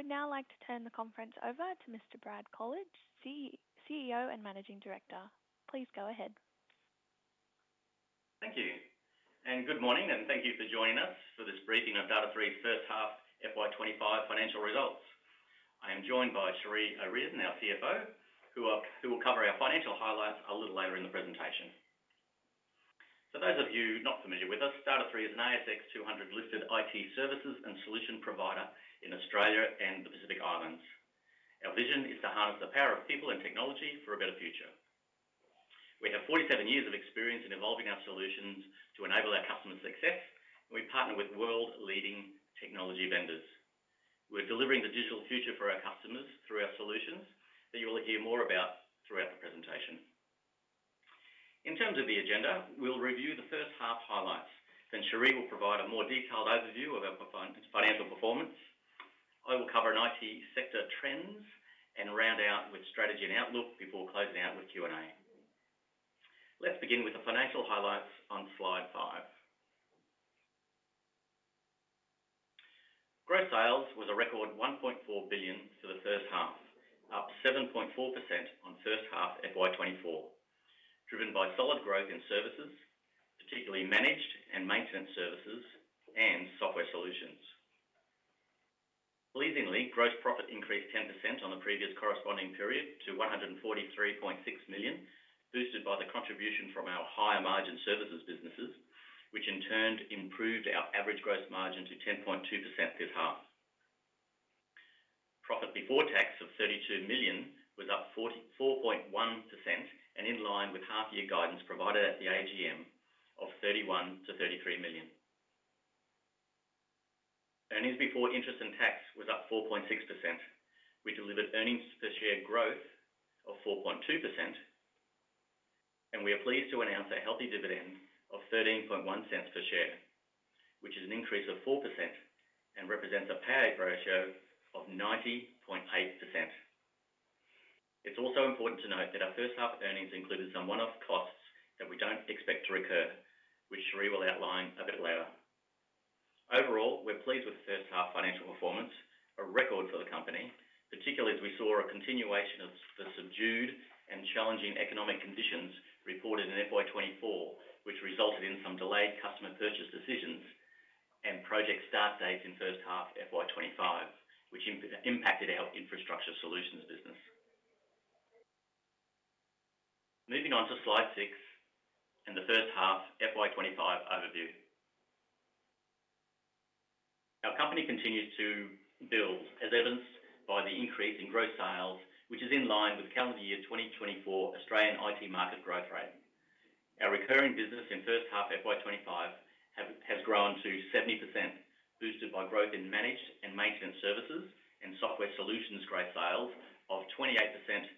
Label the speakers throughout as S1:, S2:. S1: I would now like to turn the conference over to Mr. Brad Colledge, CEO and Managing Director. Please go ahead.
S2: Thank you and good morning, and thank you for joining us for this briefing of Data#3's First Half FY25 Financial Results. I am joined by Cherie O'Riordan, our CFO, who will cover our financial highlights a little later in the presentation. For those of you not familiar with us, Data#3 is an ASX 200 listed IT services and solution provider in Australia and the Pacific Islands. Our vision is to harness the power of people and technology for a better future. We have 47 years of experience in evolving our solutions to enable our customers' success, and we partner with world-leading technology vendors. We're delivering the digital future for our customers through our solutions that you will hear more about throughout the presentation. In terms of the agenda, we'll review the first half highlights, then Cherie will provide a more detailed overview of our financial performance. I will cover the IT sector trends and round out with strategy and outlook before closing out with Q&A. Let's begin with the financial highlights on slide five. Gross sales was a record 1.4 billion for the first half, up 7.4% on first half FY24, driven by solid growth in services, particularly Managed and Maintenance Services, and Software Solutions. Pleasingly, gross profit increased 10% on the previous corresponding period to 143.6 million, boosted by the contribution from our higher-margin services businesses, which in turn improved our average gross margin to 10.2% this half. Profit before tax of 32 million was up 4.1%, and in line with half-year guidance provided at the AGM of 31 million to 33 million. Earnings before interest and tax was up 4.6%. We delivered earnings per share growth of 4.2%, and we are pleased to announce a healthy dividend of 0.131 per share, which is an increase of 4% and represents a payout ratio of 90.8%. It's also important to note that our first half earnings included some one-off costs that we don't expect to recur, which Cherie will outline a bit later. Overall, we're pleased with first half financial performance, a record for the company, particularly as we saw a continuation of the subdued and challenging economic conditions reported in FY24, which resulted in some delayed customer purchase decisions and project start dates in first half FY25, which impacted our Infrastructure Solutions business. Moving on to slide six and the first half FY25 overview. Our company continues to build, as evidenced by the increase in gross sales, which is in line with calendar year 2024 Australian IT market growth rate. Our recurring business in first half FY25 has grown to 70%, boosted by growth in Managed and Maintenance Services and Software Solutions gross sales of 28%, 38%,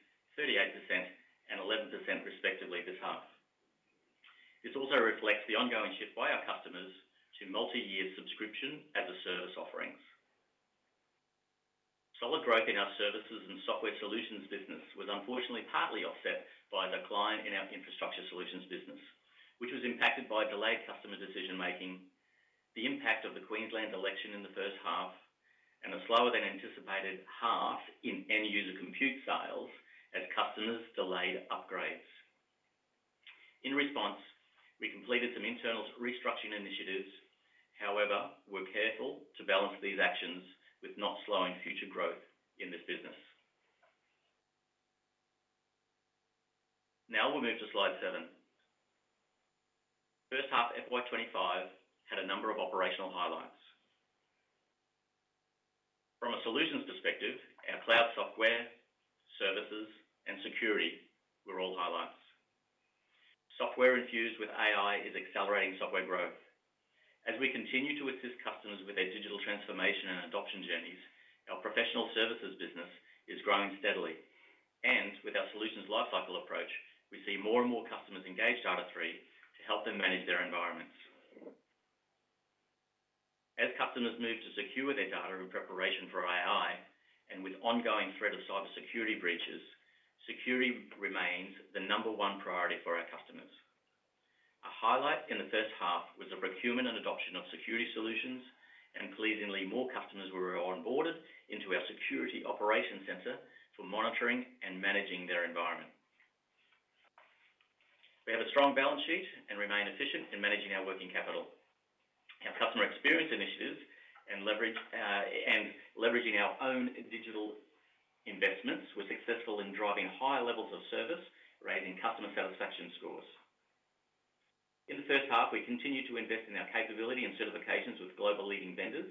S2: and 11% respectively this half. This also reflects the ongoing shift by our customers to multi-year subscription, as a service offerings. Solid growth in our services and Software Solutions business was unfortunately partly offset by a decline in our Infrastructure Solutions business, which was impacted by delayed customer decision-making, the impact of the Queensland election in the first half, and a slower-than-anticipated half in end-user compute sales as customers delayed upgrades. In response, we completed some internal restructuring initiatives. However, we're careful to balance these actions with not slowing future growth in this business. Now we'll move to slide seven. First half FY25 had a number of operational highlights. From a solutions perspective, our cloud software, services, and security were all highlights. Software infused with AI is accelerating software growth. As we continue to assist customers with their digital transformation and adoption journeys, our professional services business is growing steadily, and with our Solutions Lifecycle approach, we see more and more customers engage Data#3 to help them manage their environments. As customers move to secure their data in preparation for AI and with ongoing threat of cybersecurity breaches, security remains the number one priority for our customers. A highlight in the first half was the procurement and adoption of security solutions, and pleasingly, more customers were onboarded into our Security Operations Center for monitoring and managing their environment. We have a strong balance sheet and remain efficient in managing our working capital. Our customer experience initiatives and leveraging our own digital investments were successful in driving higher levels of service, raising customer satisfaction scores. In the first half, we continue to invest in our capability and certifications with global leading vendors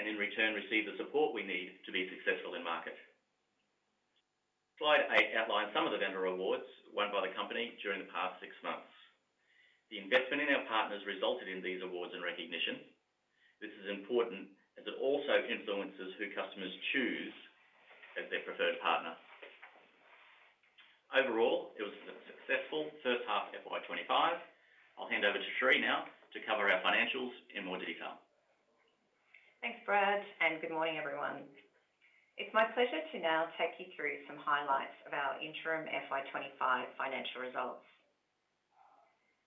S2: and in return receive the support we need to be successful in the market. Slide eight outlines some of the vendor awards won by the company during the past six months. The investment in our partners resulted in these awards and recognition. This is important as it also influences who customers choose as their preferred partner. Overall, it was a successful first half FY25. I'll hand over to Cherie now to cover our financials in more detail.
S3: Thanks, Brad, and good morning, everyone. It's my pleasure to now take you through some highlights of our interim FY25 financial results.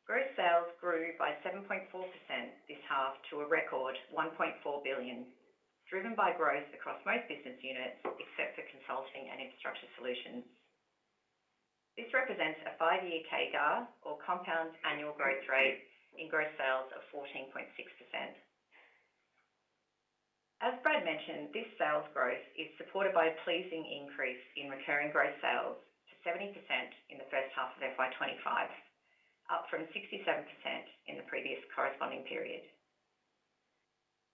S3: Gross sales grew by 7.4% this half to a record 1.4 billion, driven by growth across most business units except for Consulting and Infrastructure Solutions. This represents a five-year CAGR, or compound annual growth rate, in gross sales of 14.6%. As Brad mentioned, this sales growth is supported by a pleasing increase in recurring gross sales to 70% in the first half of FY25, up from 67% in the previous corresponding period.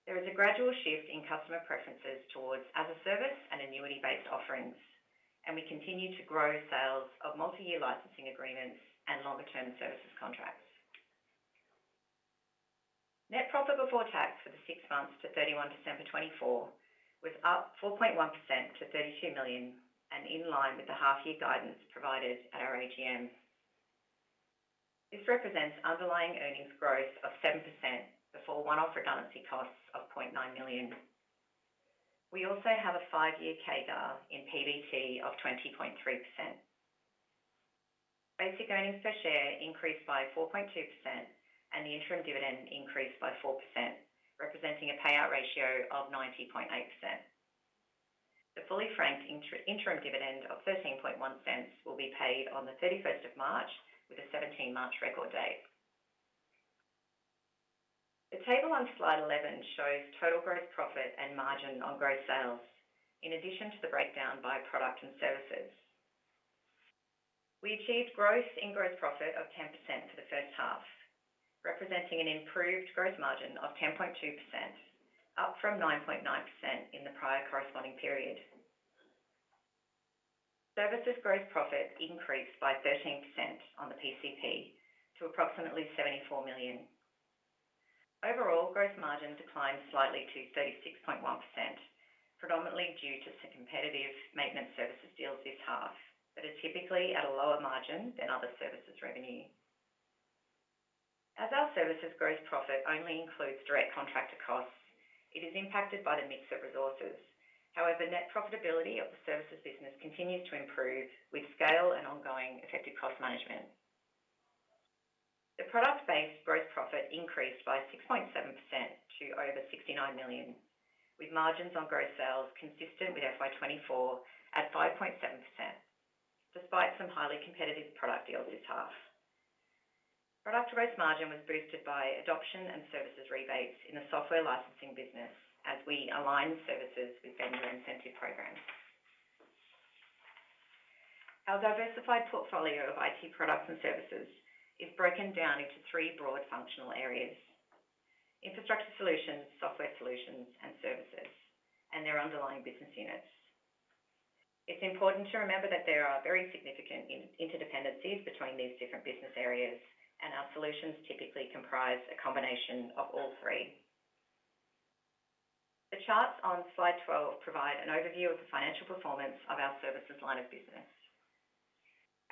S3: There is a gradual shift in customer preferences towards as-a-service and annuity-based offerings, and we continue to grow sales of multi-year licensing agreements and longer-term services contracts. Net profit before tax for the six months to 31 December 2024 was up 4.1% to 32 million and in line with the half-year guidance provided at our AGM. This represents underlying earnings growth of 7% before one-off redundancy costs of 0.9 million. We also have a five-year CAGR in PBT of 20.3%. Basic earnings per share increased by 4.2%, and the interim dividend increased by 4%, representing a payout ratio of 90.8%. The fully franked interim dividend of 0.131 will be paid on the 31st of March with a 17 March record date. The table on slide 11 shows total gross profit and margin on gross sales, in addition to the breakdown by product and services. We achieved growth in gross profit of 10% for the first half, representing an improved gross margin of 10.2%, up from 9.9% in the prior corresponding period. Services gross profit increased by 13% on the PCP to approximately 74 million. Overall, gross margin declined slightly to 36.1%, predominantly due to some competitive Maintenance Services deals this half that are typically at a lower margin than other services revenue. As our services gross profit only includes direct contractor costs, it is impacted by the mix of resources. However, net profitability of the services business continues to improve with scale and ongoing effective cost management. The product-based gross profit increased by 6.7% to over 69 million, with margins on gross sales consistent with FY24 at 5.7%, despite some highly competitive product deals this half. Product gross margin was boosted by adoption and services rebates in the software licensing business as we aligned services with vendor incentive programs. Our diversified portfolio of IT products and services is broken down into three broad functional areas: Infrastructure Solutions, Software Solutions, and services, and their underlying business units. It's important to remember that there are very significant interdependencies between these different business areas, and our solutions typically comprise a combination of all three. The charts on slide 12 provide an overview of the financial performance of our services line of business.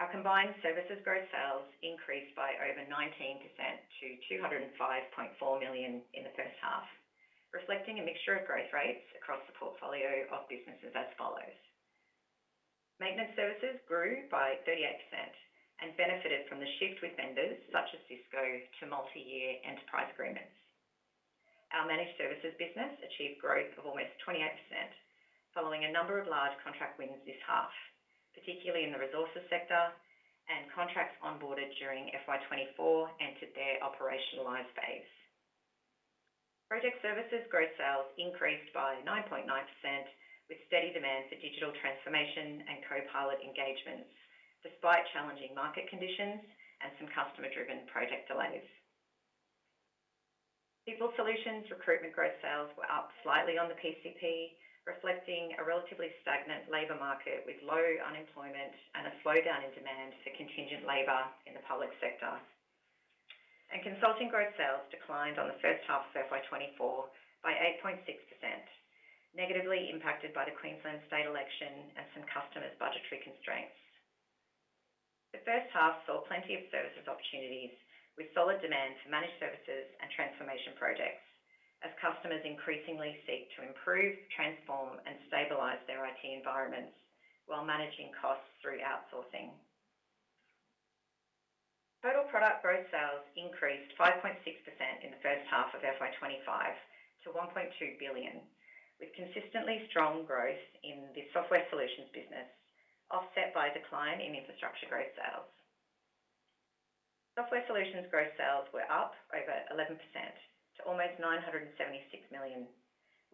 S3: Our combined services gross sales increased by over 19% to 205.4 million in the first half, reflecting a mixture of growth rates across the portfolio of businesses as follows. Maintenance Services grew by 38% and benefited from the shift with vendors such as Cisco to multi-year Enterprise Agreements. Our Managed Services business achieved growth of almost 28% following a number of large contract wins this half, particularly in the resources sector and contracts onboarded during FY24 entered their operationalized phase. Project Services gross sales increased by 9.9% with steady demand for digital transformation and Copilot engagements, despite challenging market conditions and some customer-driven project delays. People Solutions recruitment gross sales were up slightly on the PCP, reflecting a relatively stagnant labor market with low unemployment and a slowdown in demand for contingent labor in the public sector. Consulting gross sales declined on the first half of FY24 by 8.6%, negatively impacted by the Queensland state election and some customers' budgetary constraints. The first half saw plenty of services opportunities with solid demand for Managed Services and transformation projects as customers increasingly seek to improve, transform, and stabilize their IT environments while managing costs through outsourcing. Total product gross sales increased 5.6% in the first half of FY25 to 1.2 billion, with consistently strong growth in the Software Solutions business, offset by a decline in infrastructure gross sales. Software Solutions gross sales were up over 11% to almost 976 million,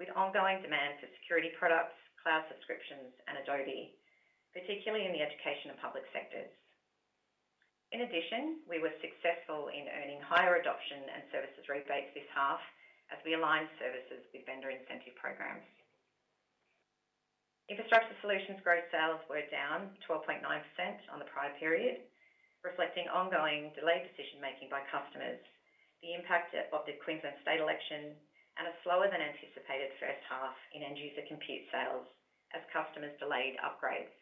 S3: with ongoing demand for security products, cloud subscriptions, and Adobe, particularly in the education and public sectors. In addition, we were successful in earning higher adoption and services rebates this half as we aligned services with vendor incentive programs. Infrastructure Solutions gross sales were down 12.9% on the prior period, reflecting ongoing delayed decision-making by customers, the impact of the Queensland state election, and a slower-than-anticipated first half in end-user compute sales as customers delayed upgrades.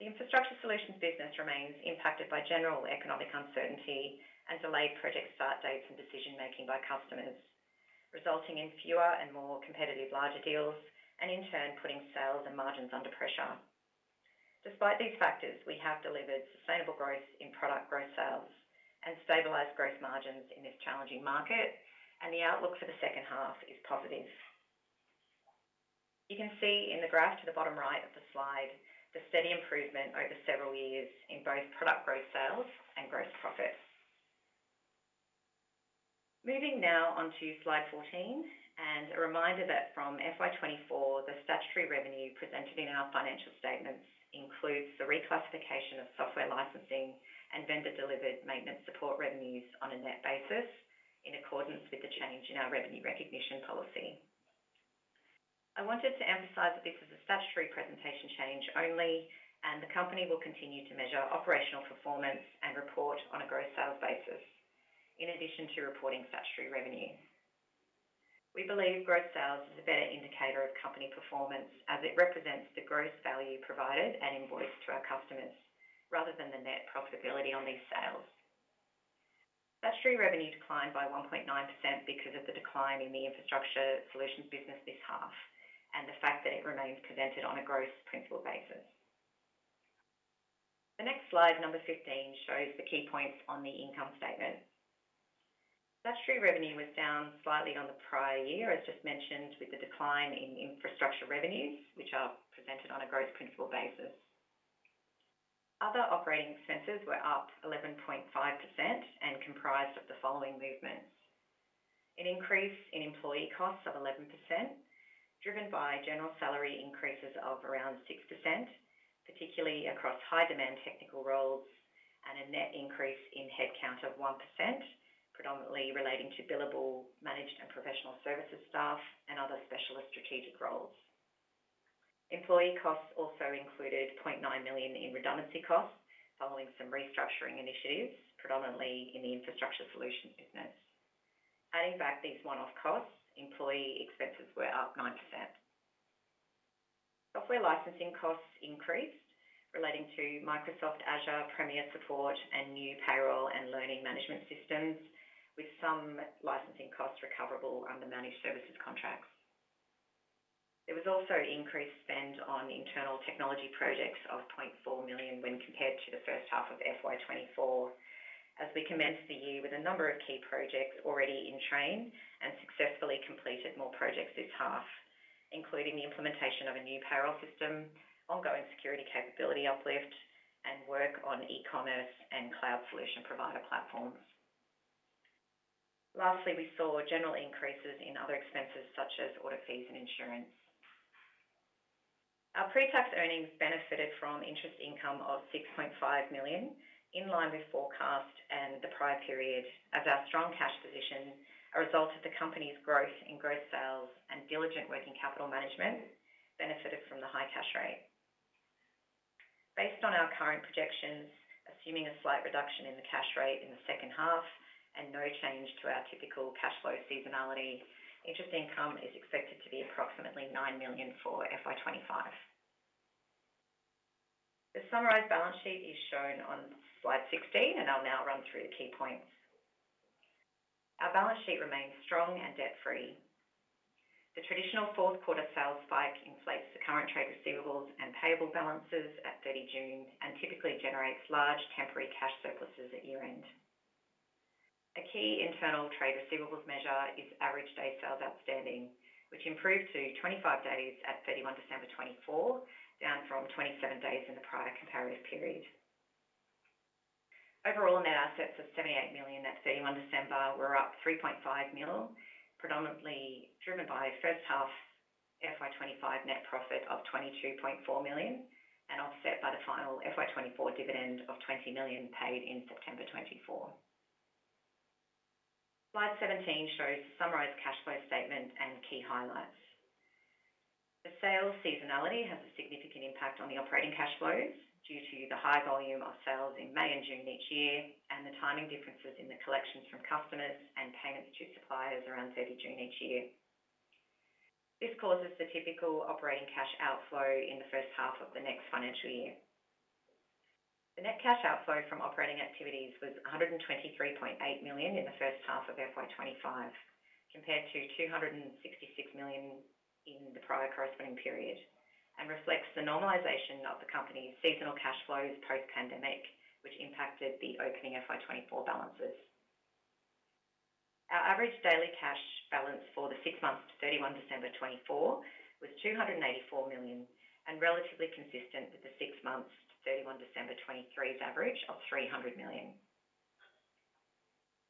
S3: The Infrastructure Solutions business remains impacted by general economic uncertainty and delayed project start dates and decision-making by customers, resulting in fewer and more competitive larger deals and in turn putting sales and margins under pressure. Despite these factors, we have delivered sustainable growth in product gross sales and stabilized gross margins in this challenging market, and the outlook for the second half is positive. You can see in the graph to the bottom right of the slide the steady improvement over several years in both product gross sales and gross profit. Moving now on to slide 14 and a reminder that from FY24, the statutory revenue presented in our financial statements includes the reclassification of software licensing and vendor-delivered maintenance support revenues on a net basis in accordance with the change in our revenue recognition policy. I wanted to emphasize that this is a statutory presentation change only, and the company will continue to measure operational performance and report on a gross sales basis, in addition to reporting statutory revenue. We believe gross sales is a better indicator of company performance as it represents the gross value provided and invoiced to our customers rather than the net profitability on these sales. Statutory revenue declined by 1.9% because of the decline in the Infrastructure Solutions business this half and the fact that it remains presented on a gross principal basis. The next slide, number 15, shows the key points on the income statement. Statutory revenue was down slightly on the prior year, as just mentioned, with the decline in infrastructure revenues, which are presented on a gross principal basis. Other operating expenses were up 11.5% and comprised of the following movements: an increase in employee costs of 11%, driven by general salary increases of around 6%, particularly across high-demand technical roles, and a net increase in headcount of 1%, predominantly relating to billable managed and professional services staff and other specialist strategic roles. Employee costs also included 0.9 million in redundancy costs following some restructuring initiatives, predominantly in the Infrastructure Solutions business. Adding back these one-off costs, employee expenses were up 9%. Software licensing costs increased relating to Microsoft Azure, Premier Support, and new payroll and learning management systems, with some licensing costs recoverable under Managed Services contracts. There was also increased spend on internal technology projects of 0.4 million when compared to the first half of FY24, as we commenced the year with a number of key projects already in train and successfully completed more projects this half, including the implementation of a new payroll system, ongoing security capability uplift, and work on e-commerce and Cloud Solution Provider platforms. Lastly, we saw general increases in other expenses such as audit fees and insurance. Our pre-tax earnings benefited from interest income of 6.5 million, in line with forecast and the prior period, as our strong cash position, a result of the company's growth in gross sales and diligent working capital management, benefited from the high cash rate. Based on our current projections, assuming a slight reduction in the cash rate in the second half and no change to our typical cash flow seasonality, interest income is expected to be approximately 9 million for FY25. The summarized balance sheet is shown on slide 16, and I'll now run through the key points. Our balance sheet remains strong and debt-free. The traditional fourth quarter sales spike inflates the current trade receivables and payable balances at 30 June and typically generates large temporary cash surpluses at year-end. A key internal trade receivables measure is average Days Sales Outstanding, which improved to 25 days at 31 December 2024, down from 27 days in the prior comparative period. Overall, net assets of 78 million at 31 December were up 3.5 million, predominantly driven by the first half FY25 net profit of 22.4 million and offset by the final FY24 dividend of 20 million paid in September 2024. Slide 17 shows the summarized cash flow statement and key highlights. The sales seasonality has a significant impact on the operating cash flows due to the high volume of sales in May and June each year and the timing differences in the collections from customers and payments to suppliers around 30 June each year. This causes the typical operating cash outflow in the first half of the next financial year. The net cash outflow from operating activities was 123.8 million in the first half of FY25, compared to 266 million in the prior corresponding period, and reflects the normalization of the company's seasonal cash flows post-pandemic, which impacted the opening FY24 balances. Our average daily cash balance for the six months to 31 December 2024 was 284 million and relatively consistent with the six months to 31 December 2023's average of 300 million.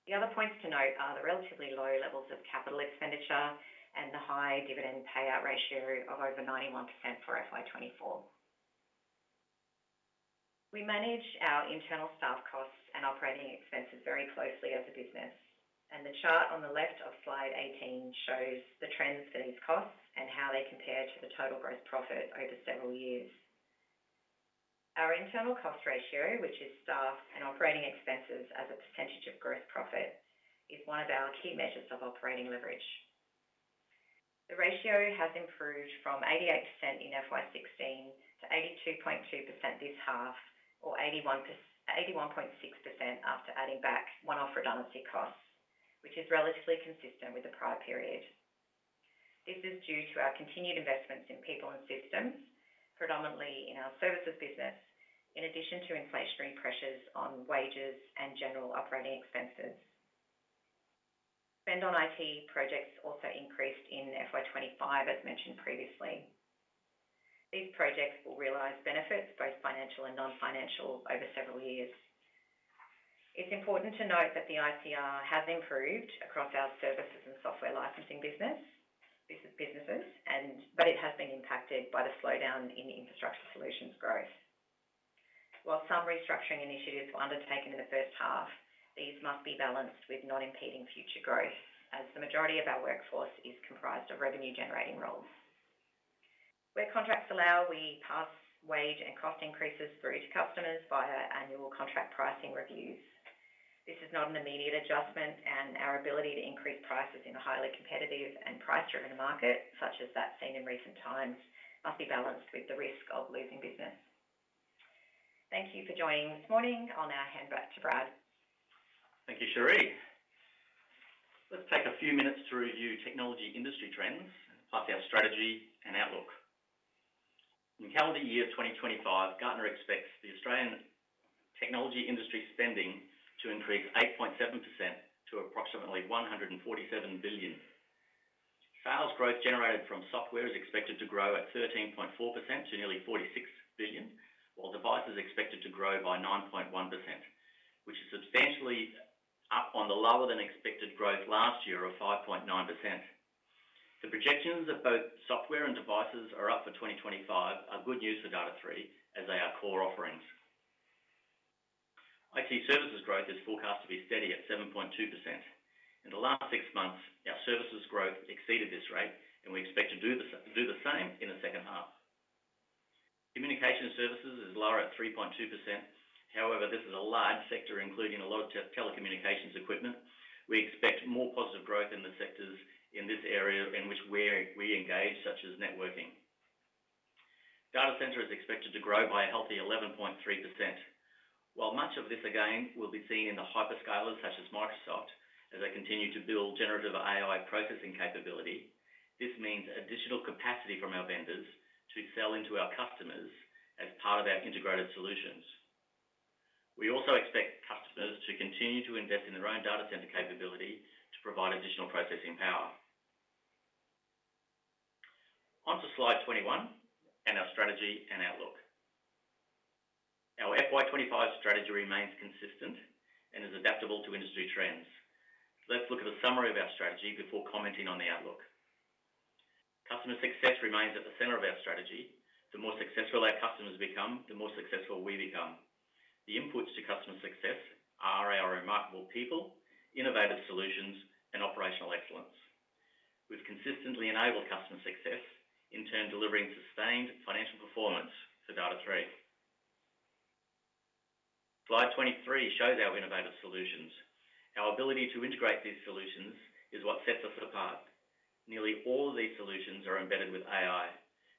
S3: The other points to note are the relatively low levels of capital expenditure and the high dividend payout ratio of over 91% for FY24. We manage our internal staff costs and operating expenses very closely as a business, and the chart on the left of slide 18 shows the trends for these costs and how they compare to the total gross profit over several years. Our internal cost ratio, which is staff and operating expenses as a percentage of gross profit, is one of our key measures of operating leverage. The ratio has improved from 88% in FY16 to 82.2% this half, or 81.6% after adding back one-off redundancy costs, which is relatively consistent with the prior period. This is due to our continued investments in people and systems, predominantly in our services business, in addition to inflationary pressures on wages and general operating expenses. Spend on IT projects also increased in FY25, as mentioned previously. These projects will realize benefits, both financial and non-financial, over several years. It's important to note that the ICR has improved across our services and software licensing businesses, but it has been impacted by the slowdown in Infrastructure Solutions growth. While some restructuring initiatives were undertaken in the first half, these must be balanced with not impeding future growth, as the majority of our workforce is comprised of revenue-generating roles. Where contracts allow, we pass wage and cost increases through to customers via annual contract pricing reviews. This is not an immediate adjustment, and our ability to increase prices in a highly competitive and price-driven market, such as that seen in recent times, must be balanced with the risk of losing business. Thank you for joining this morning. I'll now hand back to Brad.
S2: Thank you, Cherie. Let's take a few minutes to review technology industry trends and part of our strategy and outlook. In the calendar year of 2025, Gartner expects the Australian technology industry spending to increase 8.7% to approximately 147 billion. Sales growth generated from software is expected to grow at 13.4% to nearly 46 billion, while devices are expected to grow by 9.1%, which is substantially up on the lower-than-expected growth last year of 5.9%. The projections of both software and devices are up for 2025 are good news for Data#3 as they are core offerings. IT services growth is forecast to be steady at 7.2%. In the last six months, our services growth exceeded this rate, and we expect to do the same in the second half. Communication services is lower at 3.2%. However, this is a large sector, including a lot of telecommunications equipment. We expect more positive growth in the sectors in this area in which we engage, such as networking. Data center is expected to grow by a healthy 11.3%. While much of this again will be seen in the hyperscalers such as Microsoft, as they continue to build generative AI processing capability, this means additional capacity from our vendors to sell into our customers as part of our integrated solutions. We also expect customers to continue to invest in their own data center capability to provide additional processing power. On to slide 21 and our strategy and outlook. Our FY25 strategy remains consistent and is adaptable to industry trends. Let's look at a summary of our strategy before commenting on the outlook. Customer success remains at the center of our strategy. The more successful our customers become, the more successful we become. The inputs to customer success are our remarkable people, innovative solutions, and operational excellence. We've consistently enabled customer success, in turn delivering sustained financial performance for Data#3. Slide 23 shows our innovative solutions. Our ability to integrate these solutions is what sets us apart. Nearly all of these solutions are embedded with AI.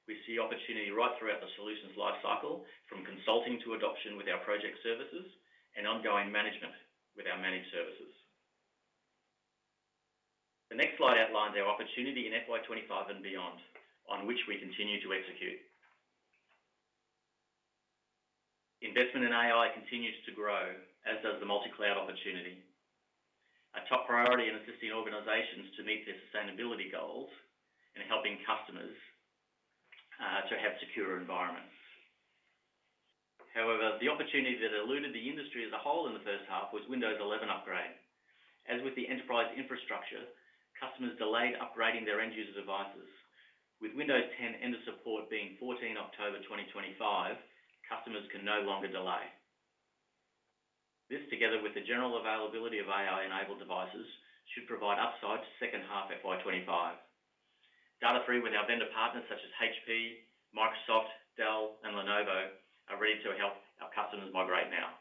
S2: We see opportunity right throughout the Solutions Lifecycle, from consulting to adoption with our Project Services and ongoing management with our Managed Services. The next slide outlines our opportunity in FY25 and beyond, on which we continue to execute. Investment in AI continues to grow, as does the multi-cloud opportunity. A top priority in assisting organizations to meet their sustainability goals and helping customers to have secure environments. However, the opportunity that eluded the industry as a whole in the first half was Windows 11 upgrade. As with the enterprise infrastructure, customers delayed upgrading their end-user devices. With Windows 10 End of Support being 14 October 2025, customers can no longer delay. This, together with the general availability of AI-enabled devices, should provide upside to second half FY25. Data#3, with our vendor partners such as HP, Microsoft, Dell, and Lenovo, are ready to help our customers migrate now.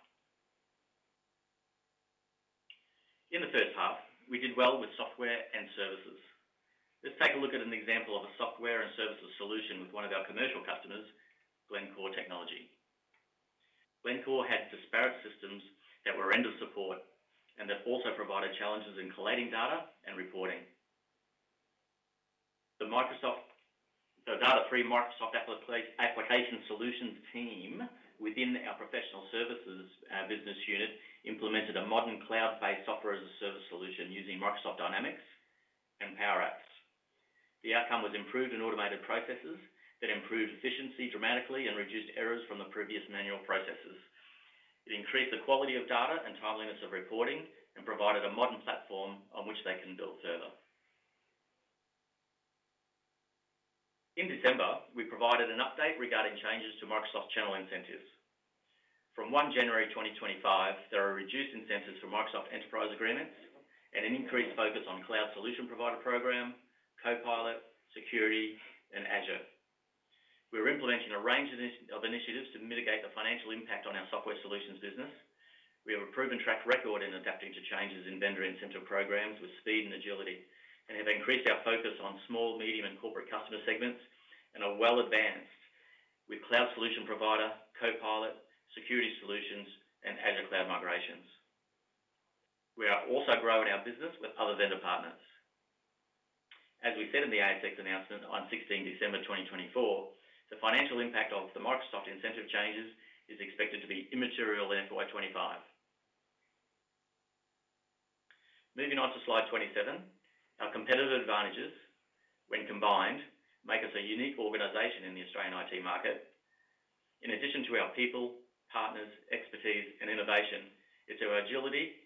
S2: In the first half, we did well with software and services. Let's take a look at an example of a software and services solution with one of our commercial customers, Glencore Technology. Glencore had disparate systems that were End of Support and that also provided challenges in collating data and reporting. The Data#3 Microsoft Application Solutions team within our professional services business unit implemented a modern cloud-based software as a service solution using Microsoft Dynamics and Microsoft Power Apps. The outcome was improved in automated processes that improved efficiency dramatically and reduced errors from the previous manual processes. It increased the quality of data and timeliness of reporting and provided a modern platform on which they can build further. In December, we provided an update regarding changes to Microsoft channel incentives. From 1 January 2025, there are reduced incentives for Microsoft Enterprise Agreements and an increased focus on Cloud Solution Provider program, Copilot, Security, and Azure. We're implementing a range of initiatives to mitigate the financial impact on our Software Solutions business. We have a proven track record in adapting to changes in vendor incentive programs with speed and agility and have increased our focus on Small, Medium, and Corporate customer segments and are well advanced with Cloud Solution Provider, Copilot, Security Solutions, and Azure cloud migrations. We are also growing our business with other vendor partners. As we said in the ASX announcement on 16 December 2024, the financial impact of the Microsoft incentive changes is expected to be immaterial in FY25. Moving on to slide 27, our competitive advantages, when combined, make us a unique organization in the Australian IT market. In addition to our people, partners, expertise, and innovation, it's our agility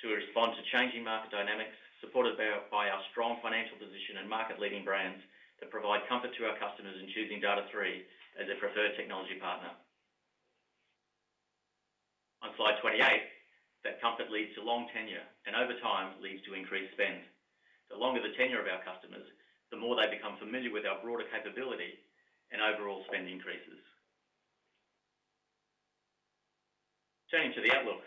S2: to respond to changing market dynamics, supported by our strong financial position and market-leading brands that provide comfort to our customers in choosing Data#3 as their preferred technology partner. On slide 28, that comfort leads to long tenure and, over time, leads to increased spend. The longer the tenure of our customers, the more they become familiar with our broader capability and overall spend increases. Turning to the outlook,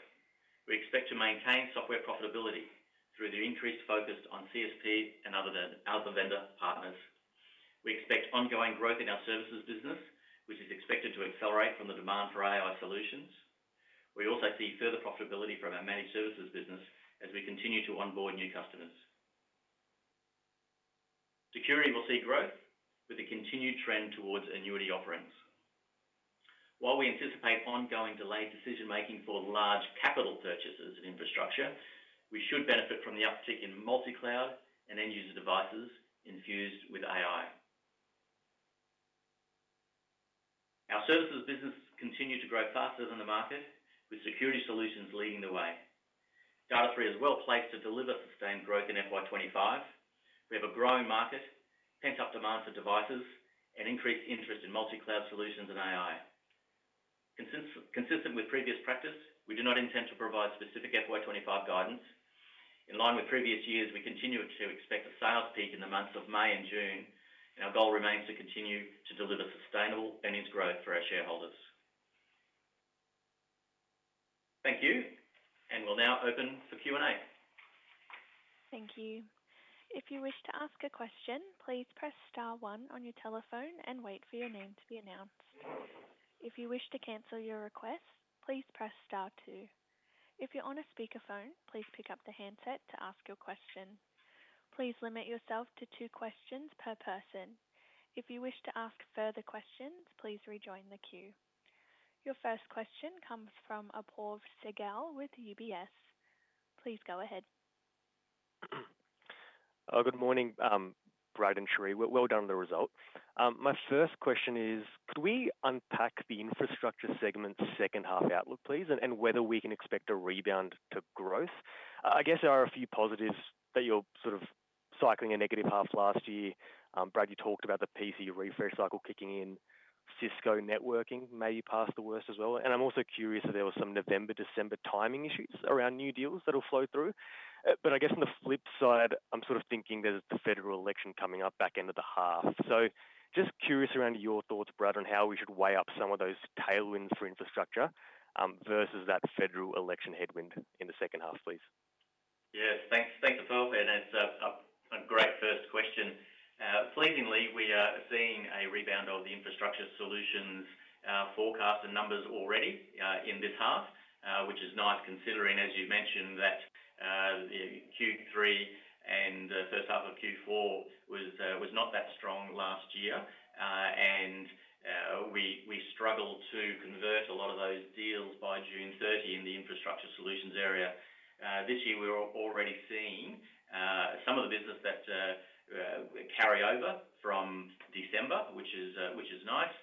S2: we expect to maintain software profitability through the increased focus on CSP and other vendor partners. We expect ongoing growth in our services business, which is expected to accelerate from the demand for AI solutions. We also see further profitability from our Managed Services business as we continue to onboard new customers. Security will see growth with the continued trend towards annuity offerings. While we anticipate ongoing delayed decision-making for large capital purchases in infrastructure, we should benefit from the uptick in multi-cloud and end-user devices infused with AI. Our services business continues to grow faster than the market, with security solutions leading the way. Data#3 is well placed to deliver sustained growth in FY25. We have a growing market, pent-up demand for devices, and increased interest in multi-cloud solutions and AI. Consistent with previous practice, we do not intend to provide specific FY25 guidance. In line with previous years, we continue to expect a sales peak in the months of May and June, and our goal remains to continue to deliver sustainable in its growth for our shareholders. Thank you, and we'll now open for Q&A.
S1: Thank you. If you wish to ask a question, please press star one on your telephone and wait for your name to be announced. If you wish to cancel your request, please press star two. If you're on a speakerphone, please pick up the handset to ask your question. Please limit yourself to two questions per person. If you wish to ask further questions, please rejoin the queue. Your first question comes from Apoorv Sehgal with UBS. Please go ahead.
S4: Good morning, Brad and Cherie. Well done on the result. My first question is, could we unpack the infrastructure segment second half outlook, please, and whether we can expect a rebound to growth? I guess there are a few positives that you're sort of cycling a negative half last year. Brad, you talked about the PC refresh cycle kicking in. Cisco networking may be past the worst as well. And I'm also curious if there were some November, December timing issues around new deals that will flow through. I guess on the flip side, I'm sort of thinking there's the federal election coming up in the second half. So just curious around your thoughts, Brad, on how we should weigh up some of those tailwinds for infrastructure versus that federal election headwind in the second half, please.
S2: Yes, thanks, Apoorv. It's a great first question. Pleasingly, we are seeing a rebound of the Infrastructure Solutions forecast and numbers already in this half, which is nice considering, as you mentioned, that Q3 and the first half of Q4 was not that strong last year. We struggled to convert a lot of those deals by June 30 in the Infrastructure Solutions area. This year, we're already seeing some of the business that carry over from December, which is nice,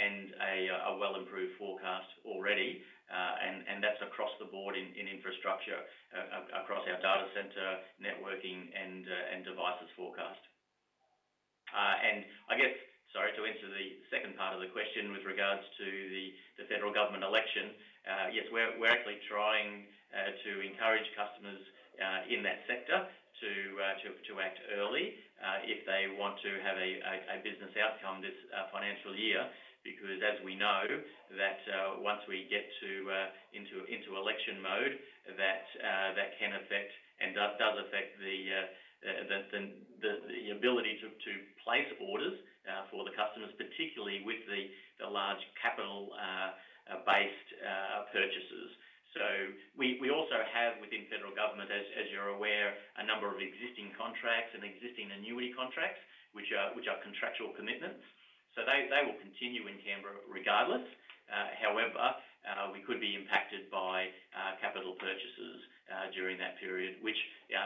S2: and a well-improved forecast already. That's across the board in infrastructure, across our data center, networking, and devices forecast. I guess, sorry to answer the second part of the question with regards to the federal government election, yes, we're actually trying to encourage customers in that sector to act early if they want to have a business outcome this financial year because, as we know, that once we get into election mode, that can affect and does affect the ability to place orders for the customers, particularly with the large capital-based purchases. We also have within federal government, as you're aware, a number of existing contracts and existing annuity contracts, which are contractual commitments. They will continue in Canberra regardless. However, we could be impacted by capital purchases during that period, which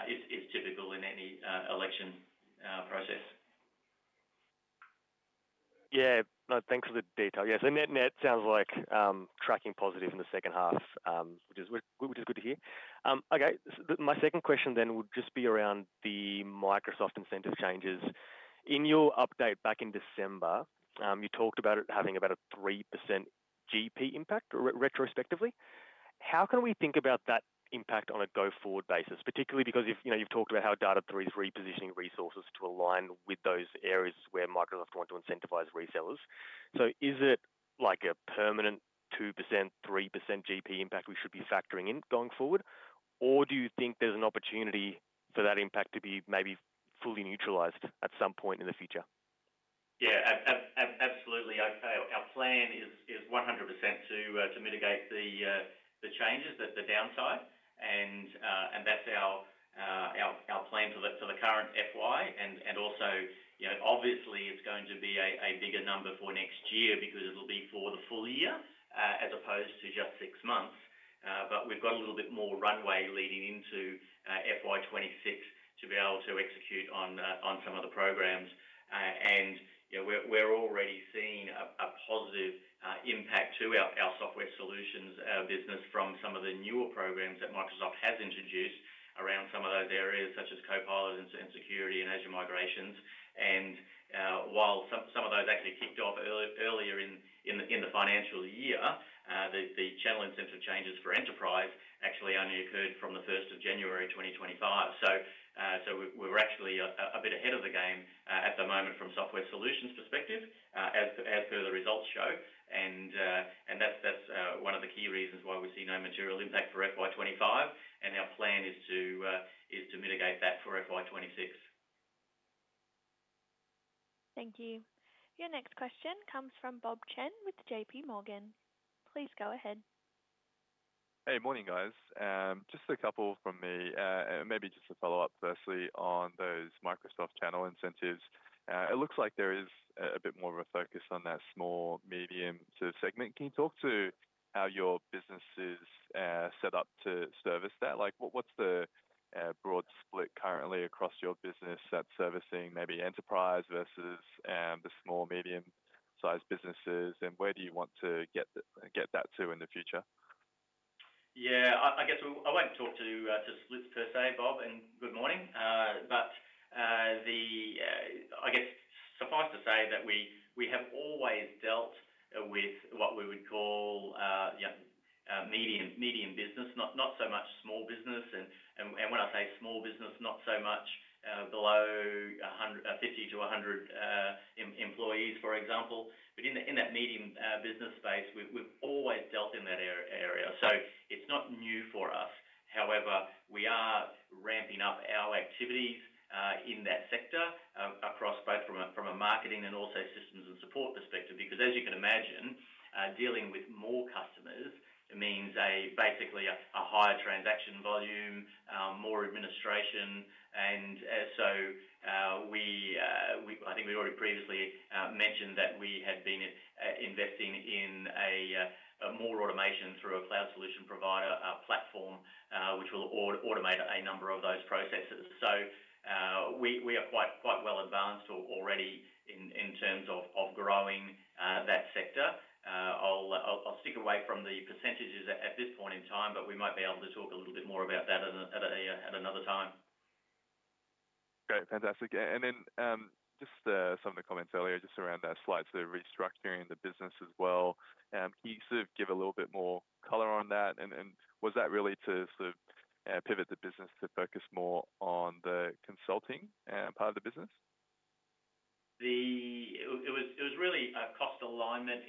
S2: is typical in any election process.
S4: Yeah. Thanks for the detail. Yes. And that sounds like tracking positive in the second half, which is good to hear. Okay. My second question then would just be around the Microsoft incentive changes. In your update back in December, you talked about it having about a 3% GP impact retrospectively. How can we think about that impact on a go-forward basis, particularly because you've talked about how Data#3 is repositioning resources to align with those areas where Microsoft want to incentivize resellers? So is it like a permanent 2%-3% GP impact we should be factoring in going forward, or do you think there's an opportunity for that impact to be maybe fully neutralized at some point in the future?
S2: Yeah. Absolutely okay. Our plan is 100% to mitigate the changes, the downside. And that's our plan for the current FY. And also, obviously, it's going to be a bigger number for next year because it'll be for the full year as opposed to just six months. But we've got a little bit more runway leading into FY26 to be able to execute on some of the programs. And we're already seeing a positive impact to our Software Solutions business from some of the newer programs that Microsoft has introduced around some of those areas such as Copilot and Security and Azure migrations. And while some of those actually kicked off earlier in the financial year, the channel incentive changes for enterprise actually only occurred from the 1st of January 2025. So we're actually a bit ahead of the game at the moment from Software Solutions perspective, as per the results show. And that's one of the key reasons why we see no material impact for FY25. Our plan is to mitigate that for FY26.
S1: Thank you. Your next question comes from Bob Chen with JPMorgan. Please go ahead.
S5: Hey, morning, guys. Just a couple from me, maybe just a follow-up, firstly, on those Microsoft channel incentives. It looks like there is a bit more of a focus on that small, medium-tier segment. Can you talk to how your business is set up to service that? What's the broad split currently across your business that's servicing maybe enterprise versus the small, medium-sized businesses? And where do you want to get that to in the future?
S2: Yeah. I guess I won't talk to splits per se, Bob, and good morning. But I guess suffice to say that we have always dealt with what we would call medium business, not so much small business. And when I say small business, not so much below 50-100 employees, for example. But in that medium business space, we've always dealt in that area. So it's not new for us. However, we are ramping up our activities in that sector across both from a marketing and also systems and support perspective because, as you can imagine, dealing with more customers means basically a higher transaction volume, more administration. And so I think we already previously mentioned that we had been investing in more automation through a Cloud Solution Provider platform, which will automate a number of those processes. So we are quite well advanced already in terms of growing that sector. I'll stick away from the percentages at this point in time, but we might be able to talk a little bit more about that at another time.
S5: Okay. Fantastic. And then just some of the comments earlier just around that slide, so restructuring the business as well. Can you sort of give a little bit more color on that? And was that really to sort of pivot the business to focus more on the consulting part of the business?
S2: It was really a cost alignment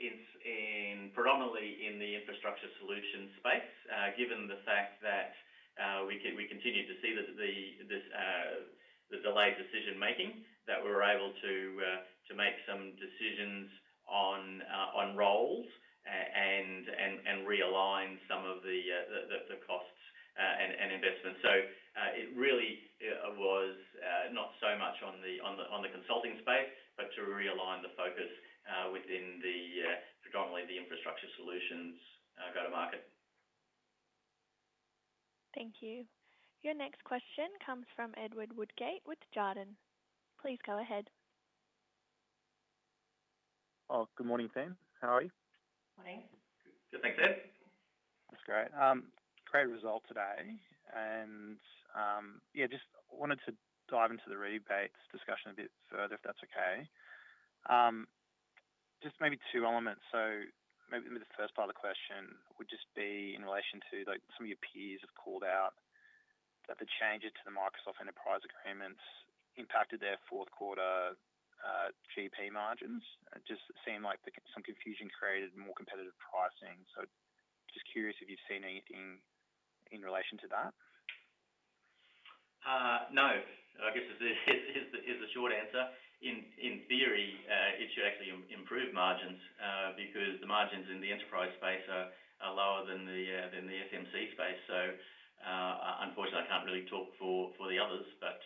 S2: predominantly in the infrastructure solution space, given the fact that we continued to see the delayed decision-making, that we were able to make some decisions on roles and realign some of the costs and investments. So it really was not so much on the consulting space, but to realign the focus within predominantly the Infrastructure Solutions go-to-market.
S1: Thank you. Your next question comes from Edward Woodgate with Jarden. Please go ahead.
S6: Good morning, team. How are you?
S2: Morning. Good, thanks, Ed.
S6: That's great. Great result today. Yeah, just wanted to dive into the rebates discussion a bit further, if that's okay. Just maybe two elements. So maybe the first part of the question would just be in relation to some of your peers have called out that the changes to the Microsoft Enterprise Agreements impacted their fourth quarter GP margins. It just seemed like some confusion created more competitive pricing. So just curious if you've seen anything in relation to that.
S2: No. I guess it's a short answer. In theory, it should actually improve margins because the margins in the enterprise space are lower than the SMC space. So unfortunately, I can't really talk for the others. But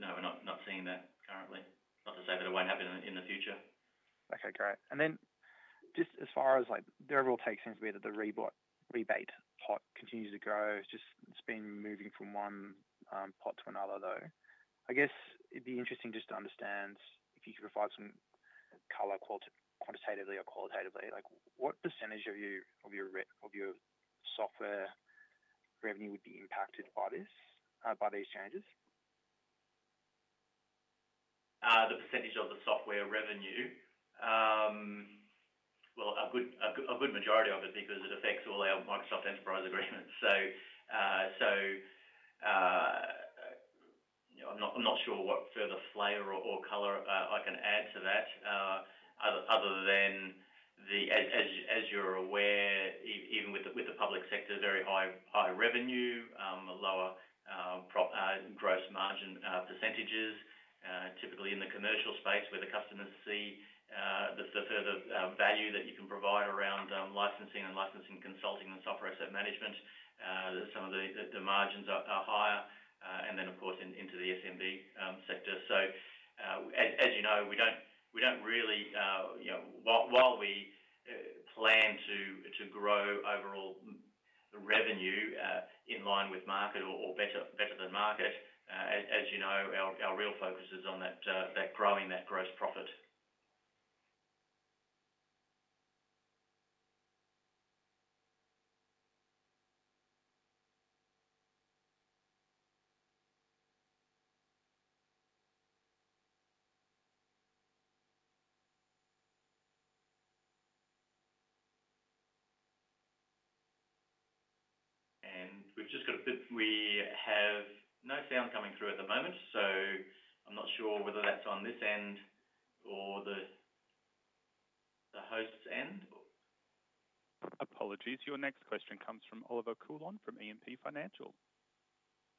S2: no, we're not seeing that currently. Not to say that it won't happen in the future.
S6: Okay. Great. And then just as far as the overall take seems to be that the rebate pot continues to grow. It's just been moving from one pot to another, though. I guess it'd be interesting just to understand if you could provide some color quantitatively or qualitatively. What percentage of your software revenue would be impacted by these changes?
S2: The percentage of the software revenue? Well, a good majority of it because it affects all our Microsoft Enterprise Agreements. So I'm not sure what further flavor or color I can add to that other than the, as you're aware, even with the public sector, very high revenue, lower gross margin percentages. Typically, in the commercial space, where the customers see the further value that you can provide around licensing and licensing consulting and software asset management, some of the margins are higher. And then, of course, into the SMB sector. As you know, we don't really while we plan to grow overall revenue in line with market or better than market, as you know, our real focus is on growing that gross profit. We have no sound coming through at the moment. I'm not sure whether that's on this end or the host's end.
S1: Apologies. Your next question comes from Olivier Coulon from E&P Financial.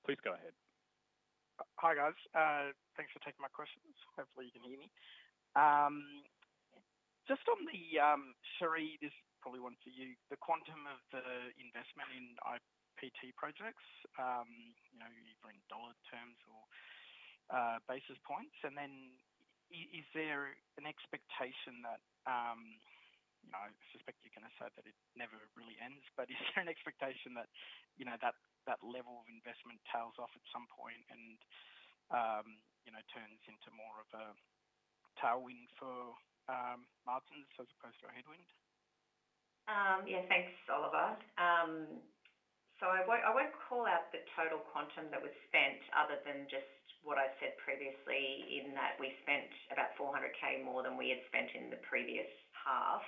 S1: Please go ahead.
S7: Hi, guys. Thanks for taking my questions. Hopefully, you can hear me. Just on the, Cherie, this is probably one for you. The quantum of the investment in IPT projects, either in dollar terms or basis points. Then is there an expectation that I suspect you're going to say that it never really ends, but is there an expectation that that level of investment tails off at some point and turns into more of a tailwind for margins as opposed to a headwind?
S3: Yeah. Thanks, Oliver. I won't call out the total quantum that was spent other than just what I said previously in that we spent about 400,000 more than we had spent in the previous half.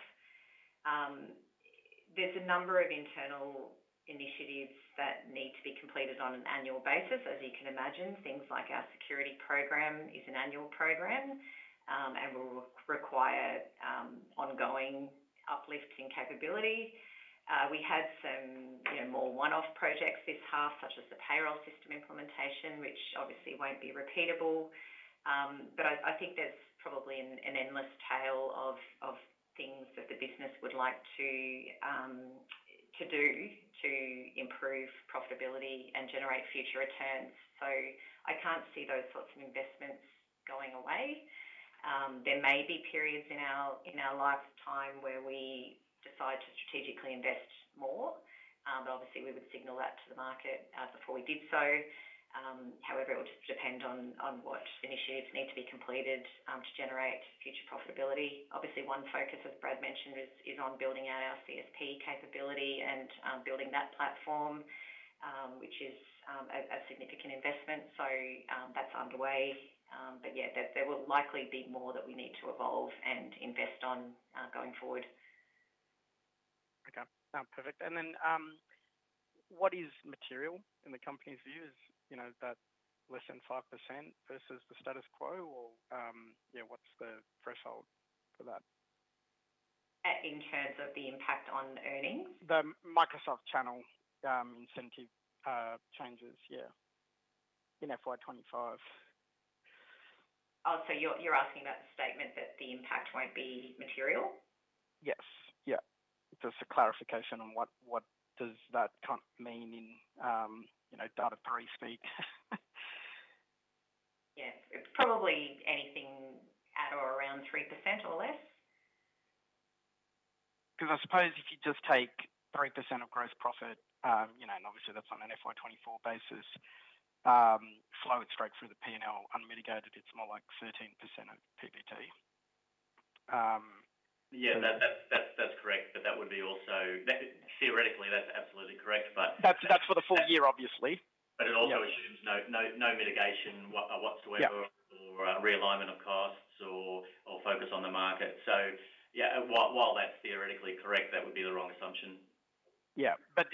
S3: There's a number of internal initiatives that need to be completed on an annual basis, as you can imagine. Things like our security program is an annual program and will require ongoing uplifting capability. We had some more one-off projects this half, such as the payroll system implementation, which obviously won't be repeatable. But I think there's probably an endless tail of things that the business would like to do to improve profitability and generate future returns. So I can't see those sorts of investments going away. There may be periods in our lifetime where we decide to strategically invest more, but obviously, we would signal that to the market before we did so. However, it would just depend on what initiatives need to be completed to generate future profitability. Obviously, one focus, as Brad mentioned, is on building out our CSP capability and building that platform, which is a significant investment. So that's underway. But yeah, there will likely be more that we need to evolve and invest in going forward.
S7: Okay. Perfect. And then what is material in the company's view? Is that less than 5% versus the status quo? Or yeah, what's the threshold for that?
S3: In terms of the impact on earnings?
S7: The Microsoft channel incentive changes, yeah, in FY25.
S3: Oh, so you're asking about the statement that the impact won't be material?
S7: Yes. Yeah. Just a clarification on what does that mean in Data#3 speak?
S3: Yeah. Probably anything at or around 3% or less.
S7: Because I suppose if you just take 3% of gross profit, and obviously, that's on an FY24 basis, flow it straight through the P&L unmitigated, it's more like 13% of PBT.
S2: Yeah. That's correct. But that would be also theoretically, that's absolutely correct.
S7: But that's for the full year, obviously.
S2: But it also assumes no mitigation whatsoever or realignment of costs or focus on the market. So yeah, while that's theoretically correct, that would be the wrong assumption. Yeah.
S7: But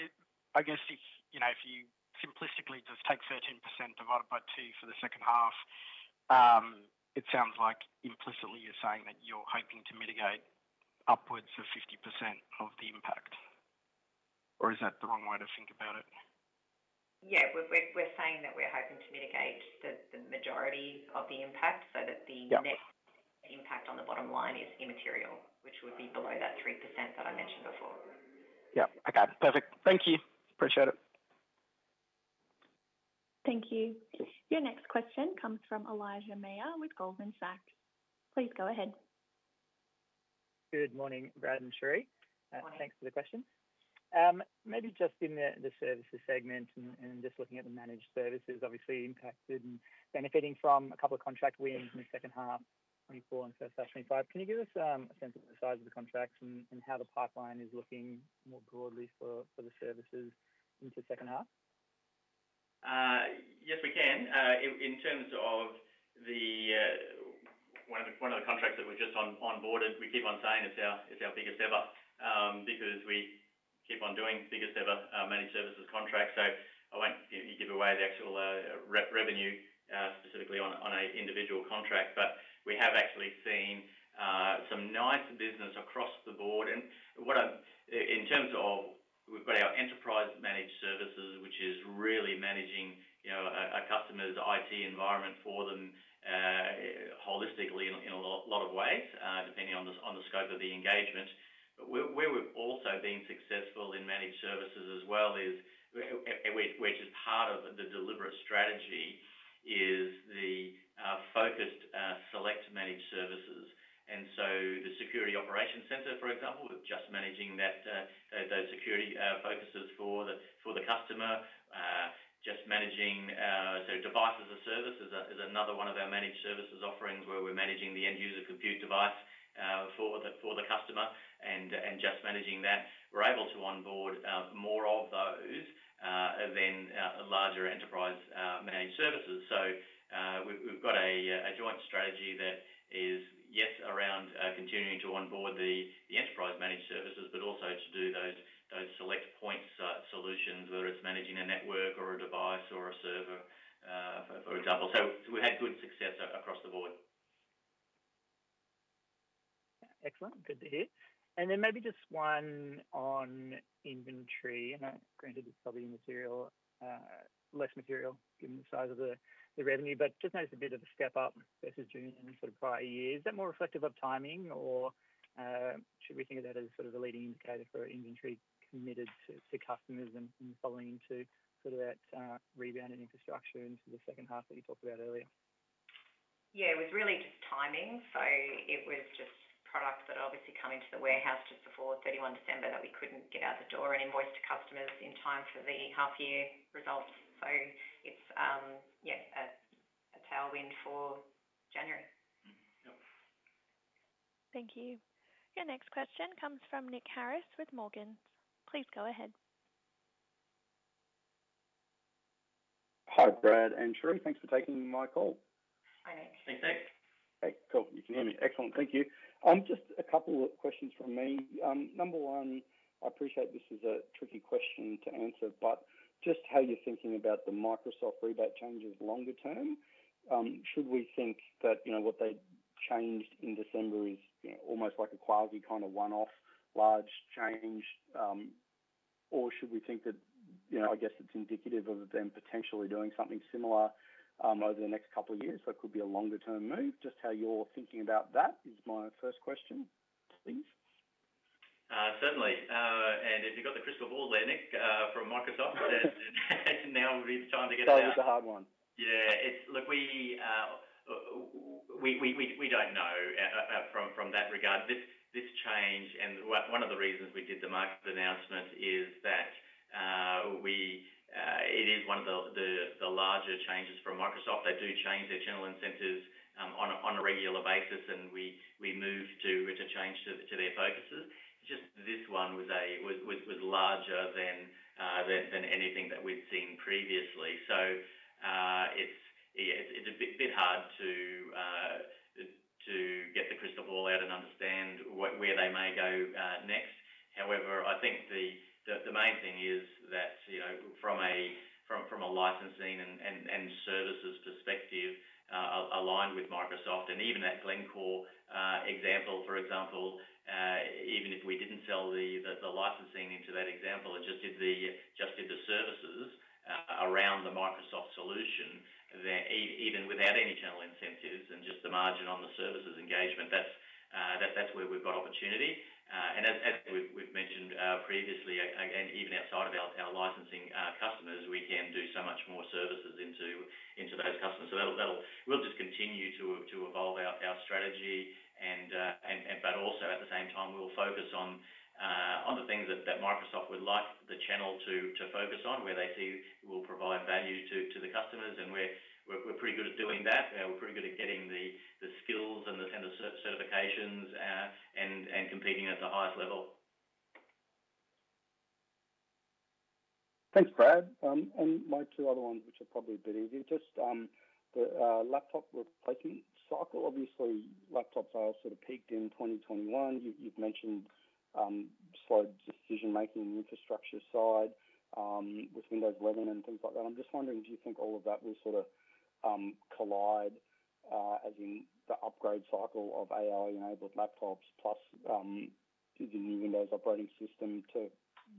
S7: I guess if you simplistically just take 13% divided by 2 for the second half, it sounds like implicitly you're saying that you're hoping to mitigate upwards of 50% of the impact. Or is that the wrong way to think about it?
S3: Yeah. We're saying that we're hoping to mitigate the majority of the impact so that the net impact on the bottom line is immaterial, which would be below that 3% that I mentioned before.
S7: Yeah. Okay. Perfect. Thank you. Appreciate it.
S1: Thank you. Your next question comes from Eli Meyer with Goldman Sachs. Please go ahead.
S8: Good morning, Brad and Cherie. Thanks for the question. Maybe just in the services segment and just looking at the Managed Services, obviously impacted and benefiting from a couple of contract wins in the second half, 2024 and first half 2025. Can you give us a sense of the size of the contracts and how the pipeline is looking more broadly for the services into the second half?
S2: Yes, we can. In terms of one of the contracts that we've just onboarded, we keep on saying it's our biggest ever because we keep on doing biggest ever Managed Services contracts. So I won't give away the actual revenue specifically on an individual contract. But we have actually seen some nice business across the board, and in terms of we've got our enterprise Managed Services, which is really managing a customer's IT environment for them holistically in a lot of ways, depending on the scope of the engagement, but where we've also been successful in Managed Services as well, which is part of the deliberate strategy, is the focused select Managed Services. And so the Security Operations Center, for example, we're just managing those security focuses for the customer. Just managing devices as services is another one of our Managed Services offerings where we're managing the end-user compute device for the customer and just managing that. We're able to onboard more of those than larger enterprise Managed Services. So we've got a joint strategy that is, yes, around continuing to onboard the enterprise Managed Services, but also to do those select points solutions, whether it's managing a network or a device or a server, for example. So we've had good success across the board.
S8: Excellent. Good to hear. And then maybe just one on inventory. And granted, it's probably less material given the size of the revenue, but just noticed a bit of a step up versus June and sort of prior year. Is that more reflective of timing, or should we think of that as sort of a leading indicator for inventory committed to customers and following into sort of that rebound in infrastructure into the second half that you talked about earlier?
S3: Yeah. It was really just timing. So it was just product that obviously come into the warehouse just before 31 December that we couldn't get out the door and invoice to customers in time for the half-year results. So it's, yeah, a tailwind for January.
S8: Yep.
S1: Thank you. Your next question comes from Nick Harris with Morgans. Please go ahead.
S9: Hi, Brad. And Cherie, thanks for taking my call.
S2: Hi, Nick. Thanks, Nick.
S9: Hey, cool. You can hear me. Excellent. Thank you. Just a couple of questions from me. Number one, I appreciate this is a tricky question to answer, but just how you're thinking about the Microsoft rebate changes longer term? Should we think that what they changed in December is almost like a quasi kind of one-off large change, or should we think that I guess it's indicative of them potentially doing something similar over the next couple of years? So it could be a longer-term move. Just how you're thinking about that is my first question, please.
S2: Certainly. And if you've got the crystal ball there, Nick, from Microsoft, then now would be the time to get that.
S9: That was a hard one.
S2: Yeah. Look, we don't know from that regard. This change, and one of the reasons we did the market announcement, is that it is one of the larger changes from Microsoft. They do change their general incentives on a regular basis, and we moved to change to their focuses. Just this one was larger than anything that we'd seen previously. So it's a bit hard to get the crystal ball out and understand where they may go next. However, I think the main thing is that from a licensing and services perspective, aligned with Microsoft. And even that Glencore example, for example, even if we didn't sell the licensing into that example and just did the services around the Microsoft solution, even without any channel incentives and just the margin on the services engagement, that's where we've got opportunity. And as we've mentioned previously, and even outside of our licensing customers, we can do so much more services into those customers. So we'll just continue to evolve our strategy. But also, at the same time, we will focus on the things that Microsoft would like the channel to focus on, where they see we'll provide value to the customers. And we're pretty good at doing that. We're pretty good at getting the skills and the certifications and competing at the highest level.
S9: Thanks, Brad. And my two other ones, which are probably a bit easier, just the laptop replacement cycle. Obviously, laptops are sort of peaked in 2021. You've mentioned slow decision-making on the infrastructure side with Windows 11 and things like that. I'm just wondering, do you think all of that will sort of collide, as in the upgrade cycle of AI-enabled laptops plus the new Windows operating system to